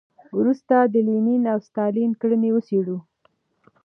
وروسته د لینین او ستالین کړنې وڅېړو.